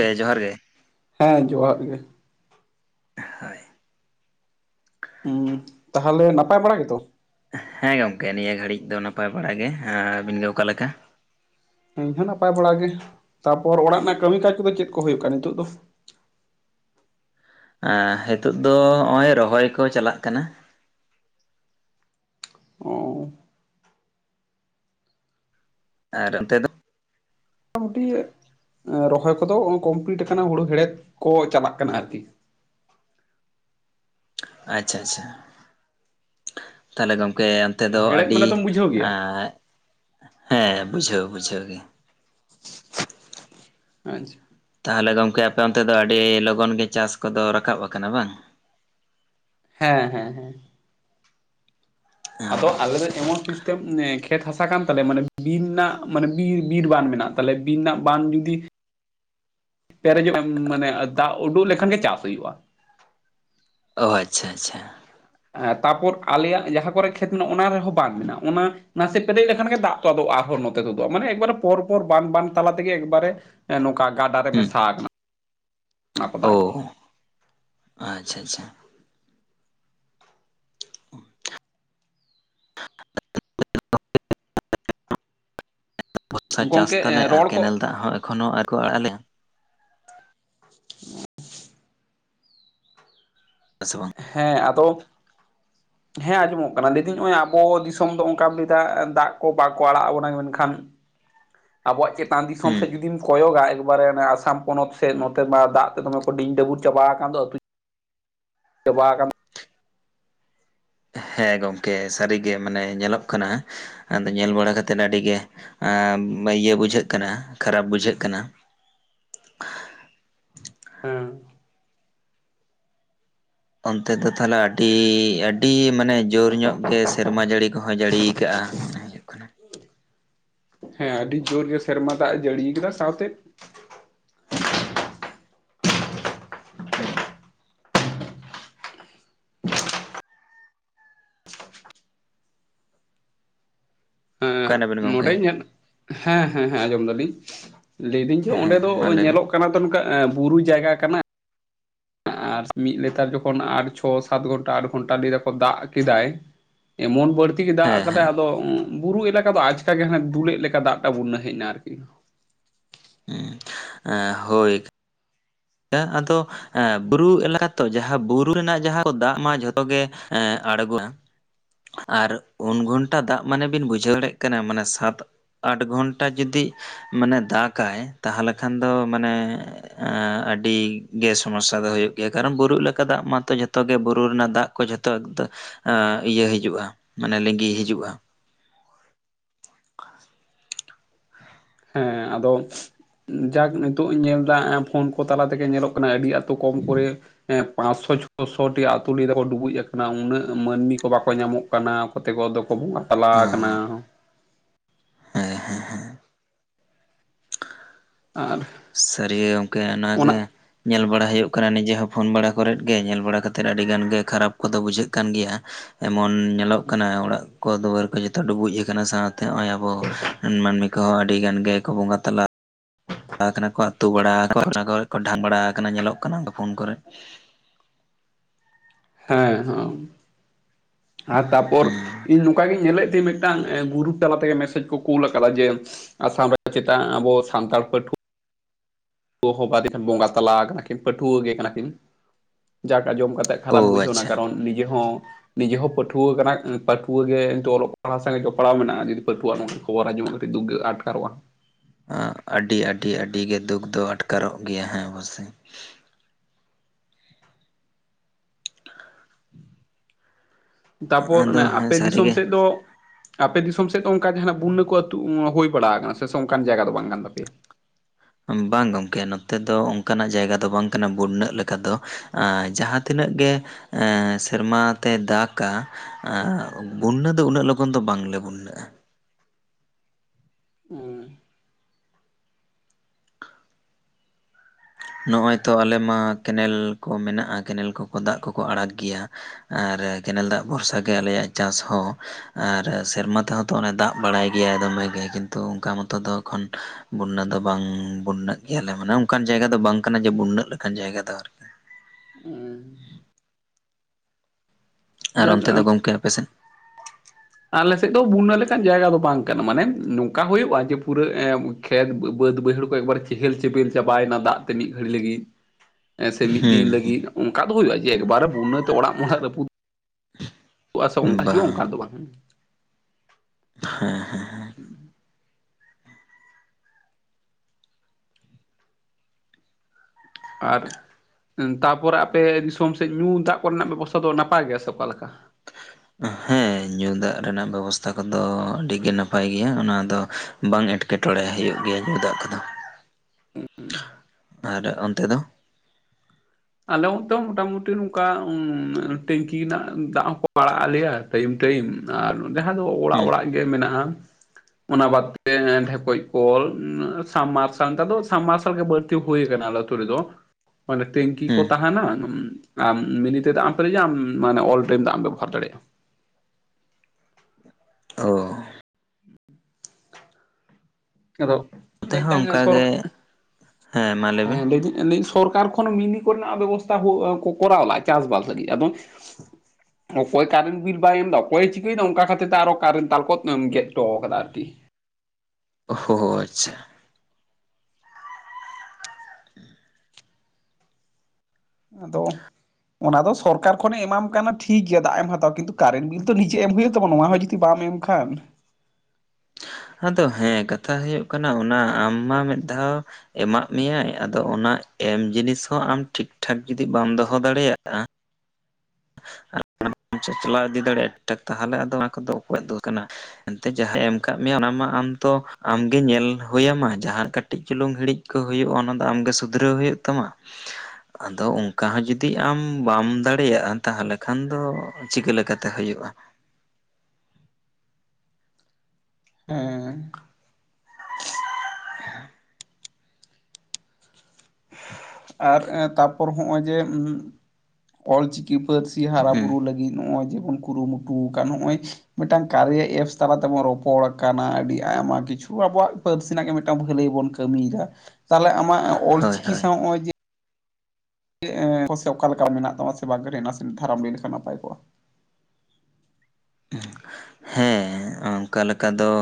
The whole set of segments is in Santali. ᱡᱮ ᱡᱚᱦᱟᱨ ᱜᱮ᱾ ᱦᱮᱸ ᱡᱚᱦᱟᱨ ᱜᱮ᱾ ᱦᱳᱭ᱾ ᱦᱩᱸ ᱛᱟᱦᱚᱞᱮ ᱱᱟᱯᱟᱭ ᱵᱟᱲᱟ ᱜᱮᱛᱚ? ᱦᱮᱸ ᱜᱚᱝᱠᱮ ᱱᱤᱭᱟᱹ ᱜᱦᱟᱲᱤᱡ ᱫᱚ ᱱᱟᱯᱟᱭ ᱵᱟᱲᱟ ᱜᱮ ᱟᱹᱵᱤᱱ ᱜᱮ ᱚᱠᱟᱞᱮᱠᱟ ᱤᱧ ᱦᱚᱸ ᱱᱟᱯᱟᱭ ᱵᱟᱲᱟ ᱜᱮ ᱛᱟᱯᱚᱨ ᱚᱲᱟᱜ ᱨᱮᱱᱟᱜ ᱠᱟᱹᱢᱤ ᱠᱟᱡᱽ ᱠᱚᱫᱚ ᱪᱮᱫ ᱠᱚ ᱦᱩᱭᱩᱜ ᱠᱟᱱᱟ ᱱᱤᱛᱚᱜ ᱫᱚ ᱟᱸ ᱱᱤᱛᱚᱜ ᱫᱚ ᱱᱚᱜᱼᱚᱭ ᱨᱚᱦᱚᱭ ᱠᱚ ᱪᱟᱞᱟᱜ ᱠᱟᱱᱟ᱾ ᱚ ᱟᱨ ᱚᱱᱛᱮ ᱫᱚ ᱢᱳᱴᱟ ᱢᱩᱴᱤ ᱨᱚᱦᱚᱭ ᱠᱚᱫᱚ ᱠᱚᱢᱯᱞᱤᱴ ᱟᱠᱟᱱᱟ ᱦᱩᱲᱩ ᱦᱮᱲᱦᱮᱫ ᱠᱚ ᱪᱟᱞᱟᱜ ᱠᱟᱱᱟ ᱟᱨᱠᱤ᱾ ᱟᱪᱪᱷᱟ ᱟᱪᱪᱷᱟ ᱛᱟᱦᱚᱞᱮ ᱜᱚᱝᱠᱮ ᱚᱱᱛᱮᱫᱚ ᱦᱮᱲᱦᱮᱫ ᱟᱹᱰᱤ ᱢᱟᱱᱮ ᱫᱚᱢ ᱵᱩᱡᱷᱟᱹᱣ ᱜᱮᱭᱟ ᱦᱮᱸ ᱵᱩᱡᱷᱟᱹᱣ ᱵᱩᱡᱷᱟᱹᱣ ᱜᱮ᱾ [inaudible] ᱟᱪᱪᱷᱟ᱾ ᱛᱟᱦᱚᱞᱮ ᱜᱚᱝᱠᱮ ᱟᱯᱮ ᱚᱱᱛᱮ ᱫᱚ ᱟᱹᱰᱤ ᱞᱚᱜᱚᱱ ᱜᱮ ᱪᱟᱥ ᱠᱚᱫᱚ ᱨᱟᱠᱟᱵ ᱟᱠᱟᱱᱟ ᱵᱟᱝ? ᱦᱮᱸ ᱦᱮᱸ ᱦᱮᱸ᱾ ᱟᱫᱚ ᱟᱞᱮ ᱫᱚ ᱡᱮᱢᱚᱱ ᱯᱷᱤᱥᱴ᱾ ᱠᱷᱮᱛ ᱦᱟᱥᱟ ᱠᱟᱱ ᱛᱟᱞᱮᱭᱟ ᱢᱟᱱᱮ ᱵᱤᱨ ᱨᱮᱱᱟᱜ ᱢᱟᱱᱮ ᱵᱤᱨ ᱵᱤᱨ ᱵᱟᱱ ᱢᱮᱱᱟᱜ ᱛᱟᱞᱮ ᱵᱤᱨ ᱨᱮᱱᱟᱜ ᱵᱟᱱ ᱡᱩᱫᱤ᱾ ᱯᱮᱨᱮᱡᱚᱜ ᱮᱢ ᱢᱟᱱᱮ ᱫᱟᱜ ᱩᱰᱩᱠ ᱞᱮᱠᱷᱟᱱ ᱜᱮ ᱪᱟᱥ ᱦᱩᱭᱩᱜᱼᱟ᱾ ᱚ ᱟᱪᱪᱷᱟ ᱟᱪᱪᱷᱟ᱾ ᱛᱟᱨᱯᱚᱨ ᱟᱞᱮᱭᱟᱜ ᱡᱟᱦᱟᱸ ᱠᱚᱨᱮ ᱠᱷᱮᱛ ᱢᱮᱱᱟᱜᱼᱟ ᱚᱱᱟ ᱨᱮᱦᱚᱸ ᱵᱟᱸᱫ ᱢᱮᱱᱟᱜᱼᱟ ᱚᱱᱟ᱾ ᱱᱟᱥᱮ ᱯᱮᱨᱮᱡ ᱞᱮᱱᱠᱦᱟᱱ ᱜᱮ ᱫᱟᱜ ᱛᱚᱫᱚᱜ ᱟᱟᱨᱦᱚᱸ ᱱᱚᱛᱮ ᱜᱚᱫᱚᱜᱼᱟ ᱢᱟᱱᱮ ᱮᱠᱵᱟᱨᱮ ᱯᱚᱨ ᱯᱚᱨ ᱵᱟᱱ ᱵᱟᱱ ᱛᱟᱞᱟ ᱛᱮᱜᱮ ᱮᱠᱵᱟᱨᱮ᱾ ᱮ ᱱᱚᱝᱠᱟ ᱜᱟᱰᱟ ᱨᱮ ᱦᱩᱸ ᱢᱮᱥᱟ ᱦᱟᱠᱟᱱᱟ ᱚᱱᱟᱠᱚ ᱚ ᱫᱟᱜ᱾ ᱟᱪᱪᱷᱟ ᱟᱪᱪᱷᱟ᱾ ᱩᱸᱪᱷᱟᱹ ᱪᱟᱥ ᱜᱚᱝᱠᱮ ᱛᱟᱞᱮ ᱟᱨ ᱨᱚᱲ ᱠᱚ ᱠᱮᱱᱮᱞ ᱫᱟᱜ ᱦᱚᱸ ᱮᱠᱷᱚᱱᱚ ᱟᱹᱣᱨᱤ ᱠᱚ ᱟᱲᱟᱜ ᱟᱞᱮᱭᱟ᱾ [unintelligible] ᱦᱮᱥᱮ ᱵᱟᱝ᱾ ᱦᱮᱸ ᱟᱫᱚ᱾ ᱦᱮᱸ ᱟᱸᱡᱚᱢᱚᱜ ᱠᱟᱱᱟ ᱞᱟᱹᱭ ᱫᱤᱧ ᱱᱚᱜᱼᱚᱭ ᱟᱵᱚ ᱫᱤᱥᱚᱢ ᱫᱚ ᱚᱱᱠᱟᱢ ᱞᱟᱹᱭᱟ ᱫᱟᱜ ᱠᱚ ᱵᱟᱠᱚ ᱟᱲᱟᱜ ᱟᱵᱚᱱᱟ ᱢᱮᱱᱠᱷᱟᱱ᱾ ᱟᱵᱚᱣᱟᱜ ᱪᱮᱛᱟᱱ ᱫᱤᱥᱚᱢ ᱦᱩᱸ ᱥᱮᱫ ᱡᱩᱫᱤᱢ᱾ ᱠᱚᱭᱚᱜᱟ ᱮᱠᱵᱟᱨᱮ ᱟᱥᱟ ᱟᱥᱟᱢ ᱯᱚᱱᱚᱛ ᱥᱮᱫ ᱱᱚᱛᱮ ᱢᱟ ᱫᱟᱜ ᱛᱮ ᱫᱚᱢᱮ ᱠᱚ ᱰᱤᱧ ᱰᱟᱹᱵᱩᱨ ᱪᱟᱵᱟ ᱟᱠᱟᱱ ᱫᱚ ᱟᱹᱛᱩ᱾ ᱪᱟᱵᱟ ᱟᱠᱟᱱ᱾ ᱦᱮᱸ ᱜᱚᱢᱠᱮ ᱥᱟᱹᱨᱤᱜᱮ ᱢᱟᱱᱮ ᱧᱮᱞᱚᱜ ᱠᱟᱱᱟ᱾ ᱟᱫᱚ ᱧᱮᱞ ᱵᱟᱲᱟ ᱠᱟᱛᱮᱱ ᱟᱹᱰᱤᱜᱮ ᱤᱭᱟᱹ ᱵᱩᱡᱷᱟᱹᱜ ᱠᱟᱱᱟ ᱠᱷᱟᱨᱟᱯ ᱵᱩᱡᱷᱟᱹᱜ ᱠᱟᱱᱟ᱾ ᱦᱮᱸ ᱚᱱᱛᱮ ᱫᱚ ᱛᱟᱦᱚᱞᱮ ᱟᱹᱰᱤ ᱟᱹᱰᱤ ᱢᱟᱱᱮ ᱡᱳᱨ ᱧᱚᱜ ᱜᱮ ᱥᱮᱨᱢᱟ ᱡᱟᱹᱲᱤ ᱠᱚᱸᱦᱚᱸᱭ ᱡᱟᱹᱲᱤ ᱟᱠᱟᱜᱼᱟ᱾ ᱦᱮᱸ ᱟᱹᱰᱤ ᱡᱳᱨ ᱜᱮ ᱥᱮᱨᱢᱟ ᱫᱟᱜ ᱮ ᱡᱟᱹᱲᱤᱭᱟ ᱠᱟᱫᱟ ᱥᱟᱶᱛᱮ᱾ ᱩᱸ ᱚᱠᱟᱭᱱᱟᱵᱤᱱ ᱜᱚᱢᱠᱮ ᱱᱚᱸᱰᱮ ᱧᱮᱞ ᱦᱮᱸ ᱦᱮᱸ ᱟᱸᱡᱚᱢ ᱫᱟᱞᱤᱧ ᱞᱟᱹᱭᱫᱟᱹᱧ ᱡᱮ ᱦᱮᱸ ᱚᱸᱰᱮ ᱫᱚ ᱢᱟ ᱞᱟᱹᱭᱵᱤᱱ ᱧᱮᱞᱚᱜ ᱠᱟᱱᱟ᱾ ᱠᱟᱱᱟ ᱛᱚ ᱱᱚᱝᱠᱟ ᱮ ᱵᱩᱨᱩ ᱡᱟᱭᱜᱟ ᱠᱟᱱᱟ ᱟᱨ ᱢᱤᱫ ᱞᱮᱛᱟᱨ ᱡᱚᱠᱷᱚᱱ ᱟᱴ ᱪᱷᱚ ᱥᱟᱛ ᱜᱷᱚᱱᱴᱟ ᱟᱴ ᱜᱷᱚᱱᱴᱟ ᱞᱟᱹᱭ ᱫᱟᱠᱚ ᱫᱟᱜ ᱠᱮᱫᱟᱭ᱾ ᱮᱢᱚᱱ ᱵᱟᱲ ᱛᱤ ᱫᱟᱜ ᱦᱮᱸ ᱟᱠᱟᱫᱟᱭ ᱦᱮᱸ ᱟᱫᱚ ᱵᱩᱨᱩ ᱮᱞᱟᱠᱟ ᱫᱚ ᱟᱪᱠᱟᱜᱮ ᱦᱟᱱᱮ ᱫᱩᱞᱮᱜ ᱞᱮᱠᱟ ᱫᱟᱜ ᱴᱟᱜ ᱵᱩᱱᱱᱟᱹ ᱦᱮᱡ ᱮᱱᱟ ᱟᱨᱠᱤ᱾ ᱦᱩᱸ ᱦᱳᱭ ᱦᱮᱜ ᱟᱫᱚ ᱮᱸ ᱵᱩᱨᱩ ᱮᱞᱟᱠᱟᱛᱚ ᱡᱟᱦᱟᱸ ᱵᱩᱨᱩ ᱨᱮᱱᱟᱜ ᱡᱟᱦᱟᱸ ᱠᱚ ᱫᱟᱜ ᱢᱟ ᱡᱷᱚᱛᱚ ᱜᱮ ᱮ ᱟᱬᱚᱜᱚᱱᱟ ᱟᱨ ᱩᱱ ᱜᱷᱚᱱᱴᱟ ᱫᱟᱜ ᱢᱟᱱᱮ ᱵᱤᱱ ᱵᱩᱡᱷᱟᱹᱣ ᱫᱟᱲᱮᱭᱟᱜ ᱠᱟᱱᱟ ᱢᱟᱱᱮ ᱥᱟᱛ ᱟᱴ ᱜᱷᱚᱱᱴᱟ ᱡᱩᱫᱤ ᱢᱟᱱᱮ ᱫᱟᱜᱟᱭ ᱛᱟᱦᱚᱞᱮ ᱠᱷᱟᱱ ᱫᱚ ᱢᱟᱱᱮ ᱟᱹ ᱰᱤ ᱜᱮ ᱥᱚᱢᱚᱥᱥᱟ ᱫᱚ ᱦᱩᱭᱩᱜ ᱜᱮᱭᱟ ᱠᱟᱨᱚᱱ ᱵᱩᱨᱩ ᱮᱞᱟᱠᱟ ᱫᱟᱜ ᱢᱟᱛᱚ ᱡᱷᱚᱛᱚ ᱜᱮ ᱵᱩᱨᱩ ᱨᱮᱱᱟᱜ ᱫᱟᱜ ᱠᱚ ᱡᱷᱚᱛᱚ ᱮᱠᱛᱚ ᱤᱭᱟᱹ ᱦᱤᱡᱩᱜᱼᱟ ᱢᱟᱱᱮ ᱞᱤᱸᱜᱤ ᱦᱤᱡᱩᱜᱼᱟ᱾ ᱦᱮᱸ ᱟᱫᱚ ᱡᱟᱠ ᱱᱤᱛᱚᱜ ᱤᱧ ᱧᱮᱞ ᱫᱟ ᱯᱷᱳᱱ ᱠᱚ ᱛᱟᱞᱟ ᱛᱮᱜᱮ ᱧᱮᱞᱚᱜ ᱠᱟᱱᱟ ᱟᱹᱰᱤ ᱟᱸᱴ ᱛᱚ ᱠᱚᱢ ᱠᱚᱨᱮ ᱮᱸ ᱯᱟᱸᱥᱚ ᱪᱷᱚᱥᱚᱴᱤ ᱟᱛᱩ ᱞᱟᱹᱭ ᱫᱟᱠᱚ ᱰᱩᱵᱩᱡ ᱟᱠᱟᱱᱟ ᱩᱱᱟᱹᱜ ᱢᱟᱹᱱᱢᱤ ᱠᱚ ᱵᱟᱠᱚ ᱧᱟᱢᱚᱜ ᱠᱟᱱᱟ᱾ ᱠᱚᱛᱮ ᱠᱚ ᱫᱚ ᱠᱚ ᱵᱚᱸᱜᱟ ᱛᱟᱞᱟ ᱚ ᱟᱠᱟᱱᱟ ᱦᱮᱸ ᱦᱮᱸ ᱦᱮᱸ ᱟᱨ ᱥᱟᱹᱨᱤ ᱜᱮ ᱜᱚᱝᱠᱮ ᱚᱱᱟᱜᱮ ᱚᱱᱟ ᱧᱮᱞ ᱵᱟᱲᱟ ᱦᱳᱭᱳᱜ ᱠᱟᱱᱟ ᱱᱤᱡᱮ ᱦᱚᱸ ᱯᱷᱳᱱ ᱵᱟᱲᱟ ᱠᱚᱨᱮᱫ ᱜᱮ ᱧᱮᱞ ᱵᱟᱲᱟ ᱠᱟ ᱛᱮᱫ ᱟᱹᱰᱤ ᱜᱟᱱ ᱜᱮ ᱠᱷᱟᱨᱟᱯ ᱠᱚᱫᱚ ᱵᱩᱡᱷᱟᱹᱜ ᱠᱟᱱ ᱜᱮᱭᱟ ᱮᱢᱚᱱ ᱧᱮᱞᱚᱜ ᱠᱟᱱᱟ ᱚᱲᱟᱜ ᱠᱚ ᱫᱩᱣᱟᱹᱨ ᱠᱚ ᱡᱚᱛᱚ ᱰᱩᱵᱩᱡ ᱟᱠᱟᱱᱟ ᱥᱟᱶᱛᱮ ᱦᱚᱜ ᱚᱭ ᱟᱵᱚ ᱢᱟᱹᱱᱢᱤ ᱠᱚᱦᱚᱸ ᱟᱹᱰᱤ ᱜᱟᱱ ᱜᱮ ᱠᱚ ᱵᱚᱸᱜᱟ ᱛᱟᱞᱟ ᱛᱟᱞᱟ ᱟᱠᱟᱱᱟ ᱠᱚ ᱟᱹᱛᱩ ᱵᱟᱲᱟ ᱠᱟᱱᱟ ᱠᱚ ᱰᱷᱟᱝ ᱵᱟᱲᱟ ᱠᱟᱱᱟ ᱧᱮᱞᱚᱜ ᱠᱟᱱᱟ ᱯᱷᱳᱱ ᱠᱚᱨᱮᱜ᱾ ᱦᱮᱸ ᱦᱮᱸ ᱟᱨ ᱛᱟᱯᱚᱨ ᱦᱮᱸ ᱤᱧ ᱱᱚᱝᱠᱟ ᱜᱮᱧ ᱧᱮᱞᱮᱫ ᱛᱟᱹᱦᱤᱡ ᱢᱮᱜᱴᱟᱝ ᱜᱩᱨᱩᱯ ᱛᱟᱞᱟ ᱛᱮᱜᱮ ᱢᱮᱥᱮᱡᱽ ᱠᱚ ᱠᱳᱞ ᱟᱠᱟᱫᱟ ᱡᱮ ᱟᱥᱟᱢ ᱨᱮ ᱪᱮᱛᱟ ᱟᱵᱚ ᱥᱟᱱᱛᱟᱲ ᱯᱟᱹᱴᱷᱩᱣᱟᱹ ᱵᱟᱨᱭᱟ ᱵᱚᱸᱜᱟ ᱛᱟᱞᱟ ᱟᱠᱟᱱᱟ ᱠᱤᱱ ᱯᱟᱹᱴᱷᱩᱣᱟᱹ ᱜᱮ ᱠᱟᱱᱟ ᱠᱤᱱ ᱡᱟᱠ ᱟᱡᱚᱢ ᱠᱟᱛᱮᱫ ᱠᱷᱟᱨᱟᱯ ᱳ ᱵᱩᱡᱷᱟᱹᱣᱱᱟ ᱟᱪᱪᱷᱟ ᱠᱟᱨᱚᱱ ᱱᱤᱡᱮ ᱦᱚᱸ ᱱᱤᱡᱮ ᱦᱚᱸ ᱯᱟᱹᱴᱷᱩᱭᱟᱹ ᱠᱟᱱᱟ ᱯᱟᱹᱴᱷᱣᱟᱹ ᱜᱮ ᱱᱤᱛᱚᱜ ᱚᱞᱚᱜ ᱯᱟᱲᱦᱟᱣ ᱥᱟᱣ ᱡᱚᱯᱚᱲᱟᱣ ᱢᱮᱱᱟᱜᱼᱟ ᱡᱩᱫᱤ ᱯᱟᱹᱴᱷᱩᱣᱟᱹ ᱱᱚᱝᱠᱟ ᱠᱷᱚᱵᱚᱨ ᱟᱡᱚᱢᱚᱜ ᱠᱟᱛᱮ ᱫᱩᱠ ᱜᱮ ᱟᱴᱠᱟᱨᱚᱜᱼᱟ ᱾ ᱟᱹᱰᱤ ᱟᱹᱰᱤ ᱟᱹᱰᱤᱜᱮ ᱫᱩᱠ ᱫᱚ ᱟᱴᱠᱟᱨᱚᱜ ᱜᱮᱭᱟ ᱦᱮᱸ ᱵᱟᱥᱮ᱾ ᱛᱟᱯᱚᱨ ᱚᱱᱮ ᱟᱫᱚ ᱦᱮᱸ ᱟᱯᱮ ᱫᱤᱥᱚᱢ ᱥᱟᱹᱨᱤᱜᱮ ᱥᱮᱫ ᱫᱚ ᱟᱯᱮ ᱫᱤᱥᱚᱢ ᱥᱮᱫ ᱫᱚ ᱚᱝᱠᱟ ᱜᱮ ᱦᱟᱱᱮ ᱵᱩᱱᱱᱟᱹ ᱠᱚ ᱟᱹᱛᱩ ᱦᱳᱭ ᱵᱟᱲᱟ ᱠᱟᱱᱟ ᱥᱮ ᱚᱝᱠᱟᱱ ᱡᱟᱭᱜᱟ ᱫᱚ ᱵᱟᱝ ᱠᱟᱱ ᱛᱟᱯᱮᱭᱟ? ᱵᱟᱝ ᱜᱚᱝᱠᱮ ᱱᱚᱛᱮ ᱫᱚ ᱚᱝᱠᱟᱱᱟᱜ ᱡᱟᱭᱜᱟ ᱫᱚ ᱵᱟᱝ ᱠᱟᱱᱟ ᱵᱩᱱᱱᱟᱹᱜ ᱞᱮᱠᱟ ᱫᱚ ᱡᱟᱦᱟᱸ ᱛᱤᱱᱟᱹᱜ ᱜᱮ ᱮᱸ ᱥᱮᱨᱢᱟ ᱛᱮ ᱫᱟᱠᱟ ᱟᱸ ᱵᱩᱱᱱᱟᱹ ᱫᱚ ᱩᱱᱟᱹᱜ ᱞᱚᱜᱚᱱ ᱫᱚ ᱵᱟᱝᱞᱮ ᱵᱩᱱᱱᱟᱹᱜᱼᱟ᱾ ᱱᱚᱜᱼᱚᱸᱭ ᱛᱚ ᱞᱮᱢᱟ ᱠᱮᱱᱮᱞ ᱠᱚ ᱢᱮᱱᱟᱜᱼᱟ ᱠᱮᱱᱮᱞ ᱠᱚᱠᱚ ᱫᱟᱜ ᱠᱚᱠᱚ ᱟᱲᱟᱜ ᱜᱮᱭᱟ᱾ ᱟᱨ ᱠᱮᱱᱮᱞ ᱫᱟᱜ ᱵᱷᱚᱨᱥᱟ ᱜᱮ ᱟᱞᱮᱭᱟᱜ ᱪᱟᱥ ᱦᱚᱸ᱾ ᱟᱨ ᱥᱮᱨᱢᱟ ᱛᱮᱦᱚᱸ ᱛᱚ ᱚᱱᱟ ᱫᱟᱜ ᱵᱟᱲᱟᱭ ᱜᱮᱭᱟ ᱫᱚᱢᱮ ᱜᱮ ᱠᱤᱱᱛᱩ ᱚᱝᱠᱟ ᱢᱚᱛᱚ ᱫᱚ ᱮᱠᱷᱚᱱ ᱵᱩᱱᱱᱟᱹ ᱫᱚ ᱵᱟᱝ ᱵᱩᱱᱱᱟᱹᱜ ᱜᱮᱭᱟᱞᱮ ᱢᱟᱱᱮ ᱚᱱᱠᱟᱱ ᱡᱟᱭᱜᱟ ᱫᱚ ᱵᱟᱝ ᱠᱟᱱᱟ ᱡᱮ ᱵᱩᱱᱱᱟᱹᱜ ᱞᱮᱠᱟᱱ ᱡᱟᱭᱜᱟ ᱫᱚ ᱟᱨ ᱦᱩᱸ᱾ ᱟᱨ ᱡᱟᱠ ᱚᱱᱛᱮ ᱫᱚ ᱜᱚᱝᱠᱮ ᱟᱯᱮᱥᱮᱫ? ᱟᱞᱮᱥᱮᱫ ᱫᱚ ᱵᱩᱱᱱᱟᱹ ᱞᱮᱠᱟᱱ ᱡᱟᱭᱜᱟ ᱫᱚ ᱵᱟᱝ ᱠᱟᱱᱟ ᱢᱟᱱᱮ ᱱᱚᱝᱠᱟ ᱦᱳᱭᱳᱜᱼᱟ ᱡᱮ ᱯᱩᱨᱟᱹ ᱮᱸ ᱠᱷᱮᱛ ᱵᱟᱹᱫᱽ ᱵᱟᱹᱭᱦᱟᱹᱲ ᱠᱚ ᱮᱠᱵᱟᱨᱮ ᱪᱮᱦᱮᱞ ᱪᱮᱯᱮᱞ ᱪᱟᱵᱟᱭᱱᱟ ᱫᱟᱜ ᱛᱮ ᱢᱤᱫ ᱜᱷᱟᱹᱲᱤ ᱞᱟᱹᱜᱤᱫ᱾ ᱥᱮ ᱢᱤᱫ ᱦᱩᱸ ᱫᱤᱱ ᱞᱟᱹᱜᱤᱫ ᱚᱱᱠᱟ ᱫᱚ ᱦᱳᱭᱳᱜᱼᱟ ᱡᱮ ᱮᱠᱵᱟᱨᱮ ᱯᱩᱱᱱᱟᱹ ᱛᱮ ᱚᱲᱟᱜ ᱢᱚᱲᱟᱜ ᱨᱟᱹᱯᱩᱫ [unintelligible] ᱠᱚᱜᱼᱟ ᱥᱮ ᱚᱝᱠᱟ ᱚᱝᱠᱟ ᱫᱚ ᱵᱟᱝ᱾ ᱦᱮᱸ ᱦᱮᱸ ᱦᱮᱸ᱾ ᱟᱨ ᱛᱟᱯᱚᱨᱮ ᱟᱯᱮ ᱫᱤᱥᱚᱢ ᱥᱮᱫ ᱧᱩ ᱫᱟᱜ ᱠᱚᱨᱮᱱᱟᱜ ᱵᱮᱵᱚᱥᱛᱟ ᱫᱚ ᱱᱟᱯᱟᱭ ᱜᱮᱭᱟ ᱥᱮ ᱚᱠᱟᱞᱮᱠᱟ? ᱦᱮᱸ ᱧᱩ ᱫᱟᱜ ᱨᱮᱱᱟᱜ ᱵᱮᱵᱚᱥᱛᱷᱟ ᱠᱚᱫᱚ ᱟᱹᱰᱤᱜᱮ ᱱᱟᱯᱟᱭ ᱜᱮᱭᱟ ᱚᱱᱟᱫᱚ ᱵᱟᱝ ᱮᱴᱠᱮᱴᱚᱬᱮ ᱦᱩᱭᱩᱜ ᱜᱮᱭᱟ ᱧᱩ ᱫᱟᱜ ᱠᱚᱫᱚ ᱟᱨ ᱚᱱᱛᱮ ᱫᱚ? ᱟᱞᱮ ᱚᱱᱛᱮ ᱢᱚᱴᱟ ᱢᱩᱴᱤ ᱱᱚᱝᱠᱟ ᱩᱸ ᱴᱮᱝᱠᱤ ᱨᱮᱱᱟᱜ ᱫᱟᱜ ᱦᱚᱸᱠᱚ ᱟᱲᱟᱜ ᱟᱞᱮᱭᱟ ᱾ ᱴᱟᱭᱤᱢ ᱴᱟᱭᱤᱢ ᱟᱨ ᱡᱟᱦᱟᱸ ᱫᱚ ᱚᱲᱟᱜ ᱦᱮᱸ ᱚᱲᱟᱜ ᱜᱮ ᱢᱮᱱᱟᱜᱼᱟ᱾ ᱚᱱᱟ ᱵᱟᱫᱛᱮ ᱰᱷᱮᱠᱚᱡ ᱠᱚᱞ ᱥᱟᱵᱢᱟᱨᱥᱟᱞ ᱱᱮᱛᱟᱨ ᱫᱚ ᱥᱟᱵᱢᱟᱨᱥᱟᱞ ᱜᱮ ᱵᱟᱹᱲ ᱪᱚ ᱦᱳᱭ ᱠᱟᱱᱟ ᱟᱞᱮ ᱟᱛᱳ ᱨᱮᱫᱚ ᱢᱟᱱᱮ ᱴᱤᱝ ᱦᱮᱸ ᱛᱟᱦᱮᱱᱟ ᱟᱢ ᱢᱤᱱᱤᱛᱮ ᱫᱟᱜ ᱮᱢ ᱯᱮᱨᱮᱡᱟ ᱟᱢ ᱢᱟᱱᱮ ᱚᱞ ᱴᱟᱭᱤᱢ ᱫᱟᱜ ᱮᱢ ᱵᱮᱵᱚᱦᱟᱨ ᱫᱟᱲᱮᱭᱟᱜᱼᱟ᱾ ᱛᱚ ᱟᱫᱚ ᱱᱚᱛᱮ ᱦᱚᱸ ᱢᱤᱫᱴᱟᱝ ᱥᱚᱨᱠ ᱚᱱᱠᱟᱜᱮ ᱦᱮᱸ ᱢᱟ ᱞᱟᱹᱭᱵᱮᱱ ᱞᱮᱫᱟᱹᱧ ᱞᱮᱫᱤᱧ ᱥᱚᱨᱠᱟᱨ ᱢᱤᱱᱤ ᱠᱚᱨᱮᱱᱟᱜ ᱵᱮᱵᱚᱥᱛᱷᱟ ᱠᱚ ᱠᱚᱨᱟᱣ ᱞᱮᱫᱟ ᱪᱟᱥ ᱵᱟᱥ ᱞᱟᱜᱤᱫ ᱟᱫᱚ ᱚᱠᱚᱭ ᱠᱟᱨᱮᱱ ᱵᱤᱞ ᱵᱟᱭ ᱮᱢ ᱮᱫᱟ ᱚᱠᱚᱭ ᱪᱤᱠᱟᱹᱭᱫᱟ ᱚᱱᱠᱟ ᱠᱷᱛᱤᱨ ᱛᱮ ᱟᱨᱚ ᱠᱟᱨᱮᱱᱴ ᱛᱟᱨ ᱠᱚ ᱜᱮᱫ ᱦᱚᱴᱚ ᱟᱠᱟᱫᱟ ᱟᱨᱠᱤ᱾ ᱦᱳ ᱟᱪᱪᱷᱟ᱾ ᱟᱫᱚ ᱚᱱᱟ ᱫᱚ ᱥᱚᱨᱠᱟᱨ ᱠᱷᱚᱱᱮ ᱮᱢᱟᱢ ᱠᱟᱱᱟ ᱴᱷᱤᱠ ᱜᱮᱭᱟ ᱫᱟᱜ ᱮᱢ ᱦᱟᱛᱣᱟ ᱠᱤᱱᱛᱩ ᱠᱟᱨᱮᱱᱴ ᱵᱤᱞ ᱛᱚ ᱱᱤᱡᱮ ᱮᱢ ᱦᱩᱭᱩᱜᱼᱟ ᱛᱟᱵᱮᱱᱟ ᱱᱚᱣᱟ ᱦᱚᱸ ᱡᱩᱫᱤ ᱵᱟᱢ ᱮᱢᱟ ᱠᱷᱟᱱ᱾ ᱟᱫᱚ ᱦᱮᱸ ᱠᱟᱛᱷᱟ ᱦᱩᱭᱩᱜ ᱠᱟᱱᱟ ᱚᱱᱟ ᱟᱢ ᱢᱟ ᱢᱤᱫ ᱫᱷᱟᱣ ᱮᱢᱟᱜ ᱢᱮᱭᱟᱭ ᱟᱫᱚ ᱚᱱᱟ ᱮᱢ ᱡᱤᱱᱤᱥ ᱦᱚᱸ ᱟᱢ ᱴᱷᱤᱠᱴᱷᱟᱠ ᱡᱩᱫᱤ ᱵᱟᱢ ᱫᱚᱦᱚ ᱫᱟᱲᱮᱭᱟᱜᱼᱟ᱾ [inaudible] ᱪᱟᱞᱟᱣ ᱤᱫᱤ ᱫᱟᱲᱮᱭᱟᱜᱼᱟ ᱴᱤᱠ ᱴᱷᱟᱠ ᱛᱟᱦᱞᱮᱫᱚ ᱚᱱᱟ ᱠᱚᱫᱚ ᱚᱠᱚᱭᱟᱜ ᱫᱚᱥ ᱠᱟᱱᱟ᱾ ᱮᱱᱛᱮ ᱡᱟᱦᱟᱸᱟᱭ ᱮᱢ ᱠᱟᱜ ᱢᱮᱭᱟ ᱚᱱᱟ ᱢᱟ ᱟᱢ ᱛᱚ ᱟᱢᱜᱮ ᱧᱮᱞ ᱦᱩᱭᱟᱢᱟ ᱡᱟᱦᱟᱸ ᱠᱟᱹ ᱠᱟᱹᱴᱤᱡ ᱪᱩᱞᱩᱝ ᱦᱤᱲᱤᱡ ᱠᱚ ᱦᱩᱭᱩᱜᱼᱟ ᱚᱱᱟ ᱫᱚ ᱟᱢᱜᱮ ᱥᱩᱫᱷᱨᱟᱹ ᱦᱩᱭᱩᱜ ᱛᱟᱢᱟ᱾ [unintelligible] ᱟᱫᱚ ᱚᱝᱠᱟ ᱦᱚᱸ ᱡᱩᱫᱤ ᱟᱢ ᱵᱟᱢ ᱫᱟᱲᱮᱭᱟᱜᱼᱟ᱾ ᱛᱟᱦᱚᱞᱮ ᱠᱷᱟᱱ ᱫᱚ ᱪᱤᱠᱟᱹ ᱞᱮᱠᱟᱛᱮ ᱦᱳᱭᱳᱜᱼᱟ᱾ ᱦᱮᱸ᱾ ᱟᱨ ᱛᱟᱨᱯᱚᱨ ᱦᱚᱸᱜᱼᱚᱭ ᱡᱮ ᱩᱜ ᱚᱞᱪᱤᱠᱤ ᱯᱟᱹᱨᱥᱤ ᱦᱩᱸ ᱦᱟᱨᱟᱼᱵᱩᱨᱩ ᱞᱟᱹᱜᱤᱫ ᱱᱚᱜᱼᱚᱭ ᱡᱮᱵᱚᱱ ᱠᱩᱨᱩᱢᱩᱴᱩ ᱟᱠᱟᱱ ᱱᱚᱜᱼᱚᱭ ᱢᱤᱫᱴᱟᱝ ᱠᱟᱨᱤᱭᱟ ᱮᱯᱥ ᱛᱟᱞᱟ ᱛᱮᱵᱚᱱ ᱨᱚᱯᱚᱲ ᱟᱠᱟᱱᱟ ᱟᱹᱰᱤ ᱟᱭᱢᱟ ᱠᱤᱪᱷᱩ ᱟᱵᱚᱣᱟᱜ ᱯᱟᱹᱨᱥᱤ ᱨᱮᱱᱟᱜ ᱜᱮ ᱢᱤᱫᱴᱟᱝ ᱵᱷᱟᱹᱞᱟᱹᱭ ᱵᱚᱱ ᱠᱟᱹᱢᱤᱭᱮᱫᱟ ᱛᱟᱦᱞᱮ ᱟᱢᱟᱜ ᱚᱞ ᱦᱳᱭ ᱪᱤᱠᱤ ᱦᱳᱭ ᱥᱟᱶ ᱦᱚᱜ-ᱚᱭ [unintelligible] ᱚᱠᱟ ᱞᱮᱠᱟ ᱢᱮᱱᱟᱜ ᱛᱟᱢᱟ ᱥᱮ ᱵᱟᱝ ᱜᱮ ᱱᱟᱥᱮ ᱫᱷᱟᱨᱟᱢ ᱞᱟᱹᱭ ᱞᱮᱠᱷᱟᱱ ᱱᱟᱯᱟᱭ ᱠᱚᱜᱼᱟ? ᱦᱮᱸ ᱚᱱᱠᱟ ᱞᱮᱠᱟ ᱫᱚ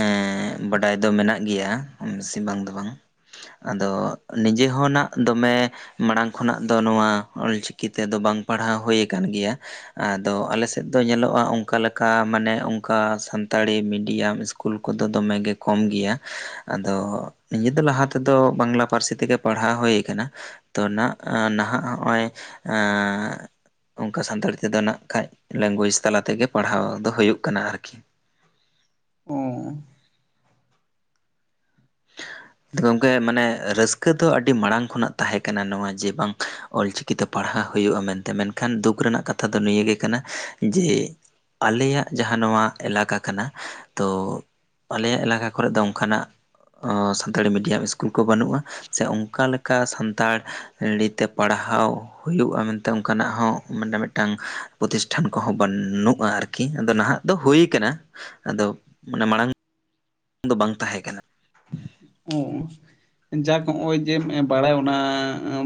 ᱮᱸ ᱵᱟᱰᱟᱭ ᱫᱚ ᱢᱮᱱᱟᱜ ᱜᱮᱭᱟ ᱵᱤᱥᱤ ᱵᱟᱝ ᱫᱚ ᱵᱟᱝ ᱟᱫᱚ ᱱᱤᱡᱮ ᱦᱚᱸ ᱱᱟᱜ ᱫᱚᱢᱮ ᱢᱟᱲᱟᱝ ᱠᱷᱚᱱᱟᱜ ᱫᱚ ᱱᱚᱣᱟ ᱚᱞᱪᱤᱠᱤ ᱛᱮᱫᱚ ᱵᱟᱝ ᱯᱟᱲᱦᱟᱣ ᱦᱩᱭ ᱟᱠᱟᱱ ᱜᱮᱭᱟ ᱟᱫᱚ ᱟᱞᱮ ᱥᱮᱫ ᱫᱚ ᱧᱮᱞᱚᱜᱼᱟ ᱚᱝᱼᱼ ᱚᱱᱠᱟ ᱞᱮᱠᱟ ᱢᱟᱱᱮ ᱚᱱᱠᱟ ᱥᱟᱱᱛᱟᱲᱤ ᱢᱤᱰᱤᱭᱟᱢ ᱤᱥᱠᱩᱞ ᱠᱚᱫᱚ ᱫᱚᱢᱮ ᱜᱮ ᱠᱚᱢ ᱜᱮᱭᱟ ᱟᱫᱚ ᱱᱤᱡᱮ ᱫᱚ ᱞᱟᱦᱟ ᱛᱮᱫᱚ ᱵᱟᱝᱞᱟ ᱯᱟᱹᱨᱥᱤ ᱛᱮᱜᱮ ᱯᱟᱲᱦᱟᱣ ᱦᱩᱭ ᱠᱟᱱᱟ ᱛᱚ ᱱᱟᱜ ᱱᱟᱦᱟᱜ ᱱᱚᱜᱼᱚᱭ ᱚᱱᱠᱟ ᱥᱟᱱᱛᱟᱲᱤ ᱛᱮᱫᱚ ᱱᱟᱜ ᱠᱷᱟᱱᱡ ᱞᱮᱝᱜᱩᱭᱮᱡᱽ ᱛᱟᱞᱟ ᱛᱮᱜᱮ ᱯᱟᱲᱦᱟᱣ ᱫᱚ ᱦᱩᱭᱩᱜ ᱠᱟᱱᱟ ᱟᱨᱠᱤ ᱚ ᱜᱚᱝᱠᱮ ᱢᱟᱱᱮ ᱨᱟᱹᱥᱠᱟᱹ ᱫᱚ ᱟᱹᱰᱤ ᱢᱟᱲᱟᱝ ᱠᱷᱚᱱᱟᱜ ᱛᱟᱦᱮᱸ ᱠᱟᱱᱟ ᱱᱚᱣᱟ ᱡᱮ ᱵᱟᱝ ᱚᱞᱪᱤᱠᱤᱛᱮ ᱯᱟᱲᱦᱟᱣ ᱦᱩᱭᱩᱜᱼᱟ ᱢᱮᱱᱛᱮ ᱢᱮᱱᱠᱷᱟᱱ ᱫᱩᱠ ᱨᱮᱱᱟᱜ ᱠᱟᱛᱷᱟ ᱫᱚ ᱱᱤᱭᱮ ᱠᱟᱱᱟ ᱡᱮ ᱟᱞᱮᱭᱟᱜ ᱡᱟᱦᱟᱸ ᱱᱚᱣᱟ ᱮᱞᱟᱠᱟ ᱠᱟᱱᱟ ᱛᱚ ᱟᱞᱮᱭᱟᱜ ᱮᱞᱟᱠᱟ ᱠᱚᱨᱮᱫ ᱫᱚ ᱚᱱᱠᱟᱱᱟᱜ ᱥᱟᱱᱛᱟᱲᱤ ᱢᱤᱰᱤᱭᱟᱢ ᱥᱠᱩᱞ ᱠᱚ ᱵᱟᱹᱱᱩᱜᱼᱟ᱾ ᱥᱮ ᱚᱱᱠᱟ ᱞᱮᱠᱟ ᱥᱟᱱᱛᱟᱲᱤᱛᱮ ᱯᱟᱲᱦᱟᱣ ᱦᱩᱭᱩᱜᱼᱟ ᱢᱮᱱᱛᱮ ᱚᱱᱠᱟᱱᱟᱜ ᱦᱚᱸ ᱢᱟᱱᱮ ᱢᱤᱫᱴᱟᱝ ᱯᱨᱚᱛᱤᱥᱴᱷᱟᱱ ᱠᱚᱦᱚᱸ ᱵᱟᱹᱱᱩᱜᱼᱟ ᱟᱨᱠᱤ ᱟᱫᱚ ᱱᱟᱦᱟᱜ ᱫᱚ ᱦᱩᱭ ᱟᱠᱟᱱᱟ ᱟᱫᱚ ᱢᱟᱱᱮ ᱢᱟᱲᱟᱝ ᱫᱚ ᱵᱟᱝ ᱛᱟᱦᱮᱸ ᱠᱟᱱᱟ ᱚ ᱡᱟᱠ ᱱᱚᱜᱼᱚᱭ ᱡᱮᱢ ᱵᱟᱲᱟᱭᱟ ᱚᱱᱟ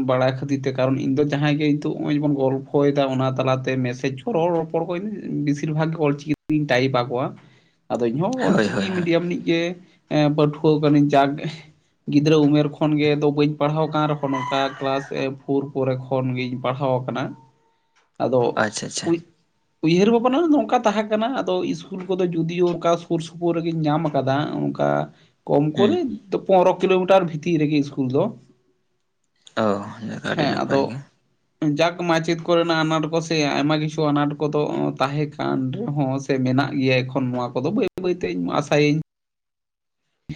ᱵᱟᱲᱟᱭ ᱠᱷᱟᱹᱛᱤᱨ ᱛᱮ ᱠᱟᱨᱚᱱ ᱤᱧ ᱫᱚ ᱡᱟᱦᱟᱸᱭ ᱜᱮ ᱱᱤᱛᱚᱜ ᱱᱚᱜᱼᱚᱭ ᱡᱮᱢᱚᱱ ᱜᱚᱞᱼᱼ ᱯᱚᱭ ᱫᱟ ᱚᱱᱟ ᱛᱟᱞᱟᱛᱮ ᱢᱮᱥᱮᱡᱽ ᱨᱚᱲ ᱨᱚᱯᱚᱲ ᱠᱚᱧ ᱵᱮᱥᱤᱨ ᱵᱷᱟᱜᱽ ᱜᱮ ᱚᱞᱪᱤᱠᱤ ᱛᱮᱜᱤᱧ ᱴᱟᱭᱤᱯ ᱟᱠᱚᱣᱟ᱾ ᱟᱫᱚ ᱤᱧ ᱦᱚᱸ ᱦᱳᱭ ᱚᱞᱪᱤᱠᱤ ᱦᱳᱭ ᱦᱳᱭ ᱢᱤᱰᱤᱭᱟᱢ ᱨᱤᱱᱤᱡ ᱜᱮ ᱯᱟᱹᱴᱷᱩᱣᱟᱹ ᱠᱟᱹᱱᱟᱹᱧ ᱡᱟᱠᱼᱼ ᱜᱤᱫᱽᱨᱟᱹ ᱩᱢᱮᱨ ᱠᱷᱚᱱ ᱜᱮ ᱫᱚ ᱵᱟᱹᱧ ᱯᱟᱲᱦᱟᱣ ᱠᱟᱱ ᱨᱮᱦᱚᱸ ᱱᱚᱝᱠᱟ ᱠᱞᱟᱥ ᱯᱷᱳᱨ ᱯᱚᱨᱮ ᱠᱷᱚᱼᱼ ᱠᱷᱚᱱ ᱜᱤᱧ ᱯᱟᱲᱦᱟᱣ ᱟᱠᱟᱱᱟ᱾ ᱟᱫᱚ ᱟᱪᱪᱷᱟ ᱟᱪᱪᱷᱟ ᱯᱩᱭᱼᱼ ᱩᱭᱦᱟᱹᱨ ᱵᱷᱟᱵᱽᱱᱟ ᱱᱚᱝᱠᱟ ᱛᱟᱦᱮᱸ ᱠᱟᱱᱟ ᱟᱫᱚ ᱤᱥᱠᱩᱞ ᱠᱚᱫᱚ ᱡᱩᱫᱤᱭᱳ ᱚᱱᱠᱟ ᱥᱩᱨ ᱥᱩᱯᱩᱨ ᱨᱮᱜᱤᱧ ᱧᱟᱢ ᱟᱠᱟᱫᱟ ᱚᱝᱠᱟ- ᱠᱚᱢ ᱦᱩᱸ ᱠᱚᱨᱮ ᱛᱚ ᱯᱚᱱᱨᱚ ᱠᱤᱞᱳᱢᱤᱴᱟᱨ ᱵᱷᱤᱛᱤᱨ ᱨᱮᱜᱮ ᱤᱥᱠᱩᱞ ᱫᱚ᱾ ᱚ ᱱᱟᱹᱠᱷᱟᱡ ᱟᱹᱰᱤ ᱦᱮᱸ ᱱᱟᱯᱟᱭ ᱟᱫᱚ ᱜᱮ᱾ ᱡᱟᱠ ᱢᱟᱪᱮᱫ ᱠᱚᱨᱮᱱᱟᱜ ᱟᱱᱟᱴ ᱠᱚᱥᱮ ᱟᱭᱢᱟ ᱠᱤᱪᱷᱩ ᱟᱱᱟᱴ ᱠᱚᱫᱚ ᱛᱟᱦᱮᱸ ᱠᱟᱱ ᱨᱮᱦᱚᱸᱼᱼ ᱥᱮ ᱢᱮᱱᱟᱜ ᱜᱮᱭᱟ ᱮᱠᱷᱚᱱ ᱱᱚᱣᱟ ᱠᱚᱫᱚ ᱵᱟᱹᱭ ᱵᱟᱹᱭᱛᱮᱧ ᱟᱥᱟᱭᱟᱹᱧᱼᱼ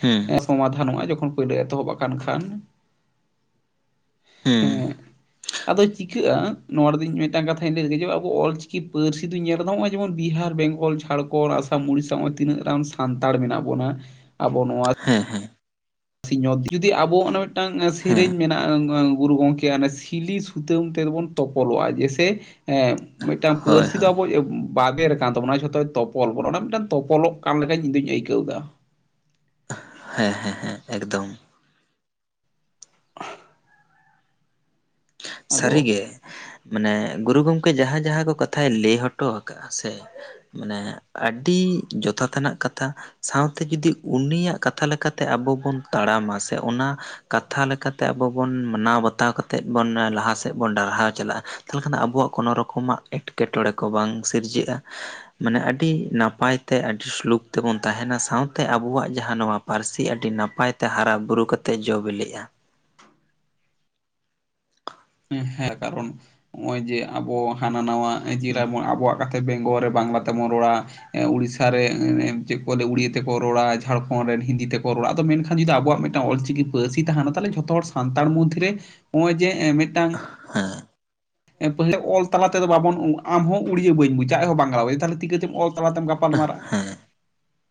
ᱦᱩᱸ ᱥᱚᱢᱟᱫᱷᱟᱱᱚᱜᱼᱟ ᱡᱚᱠᱷᱚᱱ ᱯᱳᱭᱞᱳ ᱮᱛᱚᱦᱚᱵ ᱠᱟᱱ ᱠᱷᱟᱱ᱾ ᱦᱩᱸ ᱦᱮᱸ ᱟᱫᱚ ᱪᱤᱼᱼ ᱴᱤᱠᱟᱹᱜ-ᱟ ᱱᱚᱣᱟᱰᱮ ᱫᱚ ᱤᱧ ᱢᱤᱫᱴᱟᱝ ᱠᱟᱛᱷᱟᱧ ᱞᱟᱹᱭ ᱞᱮ ᱡᱮ ᱟᱵᱚ ᱚᱞᱪᱤᱠᱤ ᱯᱟᱹᱨᱥᱤ ᱫᱚᱩ ᱧᱮᱞ ᱮᱫᱟ ᱱᱚᱜ-ᱚᱭ ᱡᱮᱢᱚᱱ ᱵᱤᱦᱟᱨ ᱵᱮᱝᱜᱚᱞ ᱡᱷᱟᱲᱼᱼ ᱠᱚᱬ ᱟᱥᱟᱢ ᱩᱰᱤᱥᱥᱟ ᱦᱚᱜ-ᱚᱭ ᱛᱤᱱᱟᱹᱜ ᱜᱟᱱ ᱥᱟᱱᱛᱟᱲ ᱢᱮᱱᱟᱜ ᱵᱚᱱᱟ ᱟᱵᱚ ᱱᱚᱣᱟᱼᱼ ᱦᱮᱸ ᱦᱮᱸ ᱥᱤᱧ ᱚᱛ ᱡᱩᱫᱤ ᱟᱵᱚ ᱚᱱᱟ ᱢᱤᱫᱴᱟᱝ ᱦᱮᱸ ᱥᱮᱨᱮᱧ ᱢᱮᱱᱟᱜᱼᱟᱼᱼ ᱜᱩᱨᱩ ᱜᱚᱝᱠᱮ-ᱟᱜ ᱚᱱᱮ ᱥᱤᱞᱤ ᱥᱩᱛᱟᱹᱢ ᱛᱮᱫᱚ ᱵᱚᱱ ᱛᱚᱯᱚᱞᱚᱜᱼᱟ ᱡᱮᱭᱥᱮᱼᱼ ᱢᱤᱫᱴᱟᱝ ᱦᱳᱭ ᱯᱟᱹᱨᱥᱤ ᱫᱚ ᱦᱳᱭ ᱟᱵᱚᱭ [unintelligible] ᱵᱟᱵᱮᱨ ᱠᱟᱱ ᱛᱟᱵᱚᱱᱟ ᱡᱷᱚᱛᱚᱭ ᱛᱚᱯᱚᱞ ᱵᱚᱱᱟ ᱚᱱᱟ ᱢᱤᱫᱴᱟᱝ ᱛᱚᱯᱚᱞᱚᱜ ᱠᱟᱱ ᱞᱮᱠᱟᱧ ᱤᱧ ᱫᱩᱧ ᱟᱹᱭᱠᱟᱹᱣ ᱫᱟ᱾ ᱦᱮᱸ ᱦᱮᱸ ᱦᱮᱸ ᱮᱠᱫᱚᱢ᱾ ᱥᱟᱹᱨᱤ ᱟᱫᱚ ᱜᱮ ᱢᱟᱱᱮ ᱜᱩᱨᱩ ᱜᱚᱝᱠᱮ ᱡᱟᱦᱟᱸ ᱡᱟᱦᱟᱸ ᱠᱚ ᱠᱟᱛᱷᱟᱭ ᱞᱟᱹᱭ ᱦᱚᱴᱚ ᱟᱠᱟᱟᱜᱼᱟ ᱥᱮᱼᱼ ᱢᱟᱱᱮ ᱟᱹᱰᱤ ᱡᱚᱛᱷᱟᱛᱟᱱᱟᱜ ᱠᱟᱛᱷᱟᱼᱼ ᱥᱟᱶᱛᱮ ᱡᱩᱫᱤ ᱩᱱᱤᱭᱟᱜ ᱠᱟᱛᱷᱟ ᱞᱮᱠᱟᱛᱮ ᱟᱵᱚ ᱵᱚᱱ ᱛᱟᱲᱟᱢᱟ ᱥᱮ ᱚᱱᱟ ᱠᱟᱛᱷᱟ ᱞᱮᱠᱟᱛᱮ ᱟᱵᱚ ᱵᱚᱱ ᱢᱟᱱᱟᱣ ᱵᱟᱛᱟᱣ ᱠᱟ ᱛᱮᱫ ᱵᱚᱱ ᱞᱟᱦᱟ ᱥᱮᱫ ᱵᱚᱱ ᱰᱟᱨᱦᱟᱣ ᱪᱟᱞᱟᱜᱼᱟ, ᱛᱟᱦᱚᱞᱮ ᱠᱷᱟᱱ ᱫᱚ ᱟᱵᱚᱣᱟᱜ ᱠᱳᱱᱳ ᱨᱚᱠᱚᱢᱟᱜ ᱮᱴᱠᱮᱴᱚᱬᱮ ᱠᱚ ᱵᱟᱝ ᱥᱤᱨᱡᱟᱹᱜᱼᱟ ᱾ ᱢᱟᱱᱮ ᱟᱹᱰᱤ ᱱᱟᱯᱟᱭ ᱛᱮ ᱟᱹᱰᱤ ᱥᱞᱩᱠ ᱛᱮᱵᱚᱱ ᱛᱟᱦᱮᱱᱟ ᱥᱟᱶᱛᱮ ᱟᱵᱚᱣᱟᱜ ᱡᱟᱦᱟᱸ ᱱᱚᱣᱟ ᱯᱟᱹᱨᱥᱤ ᱟᱹᱰᱤ ᱱᱟᱯᱟᱭ ᱛᱮ ᱦᱟᱨᱟ ᱵᱩᱨᱩ ᱠᱟᱛᱮᱫ ᱡᱚ ᱵᱤᱞᱤᱜᱼᱟ ᱾ ᱦᱮᱸ ᱠᱟᱨᱚᱱ ᱦᱚᱜᱼᱚᱭ ᱡᱮ ᱟᱵᱚ ᱦᱟᱱᱟ ᱱᱟᱣᱟ ᱦᱩᱸ ᱟᱹᱡᱤᱨᱟᱵᱚᱱ ᱟᱵᱚᱣᱟᱜ ᱠᱟ ᱥᱮ ᱵᱮᱝᱜᱚᱞ ᱨᱮ ᱵᱟᱝᱞᱟ ᱛᱮᱵᱚᱱ ᱨᱚᱲᱟ ᱾ ᱮ ᱩᱲᱤᱥᱥᱟ ᱨᱮ ᱪᱮᱫ ᱠᱚ ᱞᱟᱹᱭᱟ ᱩᱲᱤᱭᱟᱹ ᱛᱮᱠᱚ ᱨᱚᱲᱟ, ᱡᱷᱟᱲᱠᱷᱚᱸᱰ ᱨᱮᱱ ᱦᱤᱱᱫᱤ ᱛᱮᱠᱚ ᱨᱚᱲᱟ ᱟᱫᱚ ᱢᱮᱱᱠᱷᱟᱱ ᱡᱩᱫᱤ ᱟᱵᱚᱣᱟᱜ ᱢᱤᱫ ᱴᱟᱝ ᱚᱞᱪᱤᱠᱤ ᱯᱟᱹᱨᱥᱤ ᱛᱟᱦᱮᱱᱟ, ᱛᱟᱦᱚᱞᱮ ᱡᱷᱚᱛᱚ ᱦᱚᱲ ᱥᱟᱱᱛᱟᱲ ᱢᱚᱫᱽᱫᱷᱮᱨᱮ ᱦᱚᱜᱼᱚᱭ ᱡᱮ ᱢᱤᱫᱴᱟᱝ ᱦᱮᱸ ᱾ ᱮ ᱯᱟᱹᱦᱤᱞᱟᱜ ᱚᱞ ᱛᱟᱞᱟ ᱛᱮᱫᱚ ᱵᱟᱵᱚᱱ ᱩᱸ ᱟᱢ ᱦᱚᱸ ᱩᱲᱤᱭᱟ ᱵᱟᱹᱧ ᱵᱩᱡᱟ ᱟᱡ ᱦᱚᱸ ᱵᱟᱝᱞᱟ ᱵᱟᱭ ᱛᱟᱦᱚᱞᱮ ᱛᱤᱠᱟᱹᱛᱮᱢ ᱟᱞ ᱛᱟᱞᱟᱛᱮᱢ ᱜᱟᱯᱟᱞ ᱢᱟᱨᱟᱨᱟᱜᱼᱟ,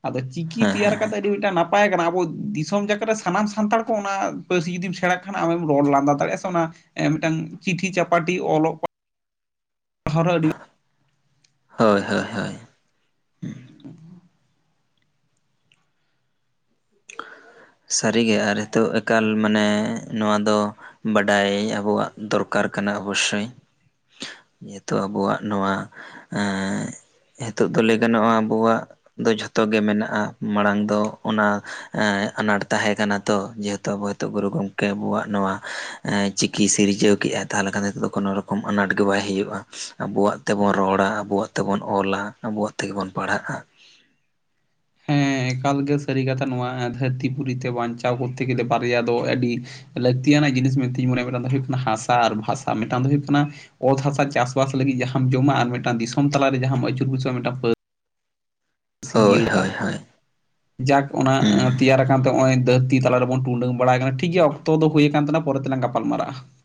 ᱟᱫᱚ ᱪᱤᱠᱤ ᱛᱮᱭᱟᱨ ᱠᱟᱛᱮ ᱟᱹᱰᱤ ᱢᱤᱫᱴᱟᱝ ᱱᱟ ᱯᱟᱭ ᱠᱟᱱᱟ ᱟᱵᱚ ᱫᱤᱥᱚᱢ ᱡᱟᱠᱟᱛ ᱨᱮ ᱥᱟᱱᱟᱢ ᱥᱟᱱᱛᱟᱲ ᱠᱚ ᱚᱱᱟ ᱯᱟᱹᱨᱥᱤ ᱡᱩᱫᱤᱢ ᱥᱮᱬᱟ ᱠᱷᱟᱱ ᱟᱢᱮᱢ ᱨᱚᱲ ᱞᱟᱸᱫᱟ ᱫᱟᱲᱮᱭᱟᱜᱼᱟ ᱥᱮ ᱚᱱᱟ ᱮ ᱢᱤᱫᱴᱟᱝ ᱪᱤᱴᱷᱤ ᱪᱟᱯᱟᱴᱤ ᱚᱞᱚᱜ ᱯᱟ ᱦᱟᱣ ᱨᱮ ᱟᱹᱰᱤ ᱦᱳᱭ ᱦᱳᱭ ᱦᱳᱭ ᱾ ᱥᱟᱹᱨᱤᱜᱮ ᱟᱨ ᱦᱤᱛᱚᱜ ᱮᱠᱟᱞ ᱢᱟᱱᱮ ᱱᱚᱣᱟ ᱫᱚ ᱵᱟᱰᱟᱭ ᱟᱵᱚᱣᱟᱜ ᱫᱚᱨᱠᱟᱨ ᱠᱟᱱᱟ ᱚᱵᱚᱥᱥᱳᱭ᱾ ᱧᱤᱛᱚᱜ ᱟᱵᱚᱣᱟᱜ ᱱᱚᱣᱟ ᱮᱻ ᱦᱤᱛᱚᱜ ᱫᱚ ᱞᱟᱹᱭ ᱜᱟᱱᱚᱜᱼᱟ ᱟᱵᱚᱣᱟᱜ ᱫᱚ ᱡᱷᱚᱛᱚ ᱜᱮ ᱢᱮᱱᱟᱜᱼᱟ ᱢᱟᱲᱟᱝ ᱫᱚ ᱚᱱᱟ ᱮ ᱟᱱᱟᱴ ᱛᱟᱦᱮᱸ ᱠᱟᱱᱟ ᱛᱚ ᱡᱮᱦᱮᱛᱩ ᱟᱵᱚ ᱦᱤᱛᱚᱜ ᱜᱩᱨᱩ ᱜᱚᱝᱠᱮ ᱟᱵᱚᱣᱟᱜ ᱱᱚᱣᱟ ᱮ ᱪᱤᱠᱤ ᱥᱤᱨᱡᱟᱹᱣ ᱠᱮᱜᱼᱟ᱾ ᱛᱟᱦᱚᱞᱮ ᱠᱷᱟᱱ ᱫᱟ ᱦᱤᱛᱚᱜ ᱫᱚ ᱠᱳᱱᱳ ᱨᱚᱠᱚᱢ ᱟᱱᱟᱴ ᱜᱮ ᱵᱟᱭ ᱦᱩᱭᱩᱜᱼᱟ ᱾ ᱟᱵᱚᱣᱟᱜ ᱛᱮᱵᱚᱱ ᱨᱚᱲᱟ ᱟᱵᱚᱣᱟᱜ ᱛᱮᱵᱚᱱ ᱚᱞᱟ ᱟᱵᱚᱣᱟᱜ ᱛᱮᱜᱮ ᱵᱚᱱ ᱯᱟᱲᱦᱟᱜᱼᱟ᱾ ᱦᱮᱸ ᱮᱠᱟᱞ ᱜᱮ ᱥᱟᱹᱨᱤ ᱠᱟᱛᱷᱟ ᱱᱚᱣᱟ ᱫᱷᱟᱹᱨᱛᱤ ᱯᱩᱨᱤ ᱛᱮ ᱵᱟᱧᱪᱟᱣ ᱠᱚᱨᱛᱮ ᱜᱮᱞᱮ ᱵᱟᱨᱭᱟ ᱫᱚ ᱟᱹᱰᱤ ᱞᱟᱹᱠᱛᱤᱭᱟᱱᱟᱜ ᱡᱤᱱᱤᱥ ᱢᱮᱱᱛᱤᱧ ᱢᱚᱱᱮᱭᱟ ᱢᱤᱫᱴᱟᱝ ᱫᱚ ᱦᱩᱭᱩᱜ ᱠᱟᱱᱟ ᱦᱟᱥᱟ ᱟᱨ ᱵᱷᱟᱥᱟ, ᱢᱤᱫᱴᱟᱝ ᱫᱚ ᱦᱩᱭᱩᱜ ᱠᱟᱱᱟ ᱚᱛ ᱦᱟᱥᱟ ᱪᱟᱥᱵᱟᱥ ᱞᱟᱹᱜᱤᱫ ᱡᱟᱦᱟᱸᱢ ᱡᱚᱢᱟ ᱟᱨ ᱢᱤᱫᱴᱟᱱ ᱫᱤᱥᱚᱢ ᱛᱟᱞᱟᱨᱮ ᱡᱟᱦᱟᱸᱢ ᱟᱹᱪᱩᱨ ᱵᱩᱥᱟᱹᱜᱼᱟ ᱢᱤᱫᱴᱟᱝ ᱯᱟᱹ ᱥᱤ ᱦᱳᱭ ᱡᱤᱭᱟᱲ ᱦᱳᱭ [unintelligible] ᱦᱳᱭ ᱡᱟᱠ ᱚᱱᱟ ᱦᱮᱸ ᱛᱮᱭᱟᱨ ᱟᱠᱟᱱᱛᱮ ᱦᱚᱜᱼᱚᱭ ᱫᱷᱟᱹᱨᱛᱤ ᱛᱟᱞᱟ ᱨᱮᱵᱚᱱ ᱴᱩᱰᱟᱹᱝ ᱵᱟᱲᱟᱭ ᱠᱟᱱᱟ ᱴᱷᱤᱠ ᱜᱮᱭᱟ ᱚᱠ ᱛᱚ ᱫᱚ ᱦᱩᱭ ᱟᱠᱟᱱ ᱛᱟᱦᱮᱱᱟ ᱯᱚᱨᱮ ᱛᱮᱞᱟᱝ ᱜᱟᱯᱟᱞ ᱢᱟᱨᱟᱜᱼᱟ ᱾